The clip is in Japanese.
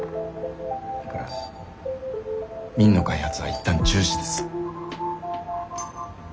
だから「Ｍｉｎ」の開発は一旦中止です。